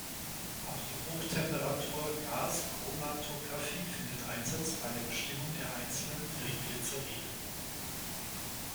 Auch die "Hochtemperatur-Gaschromatographie" findet Einsatz bei der Bestimmung der einzelnen Triglyceride.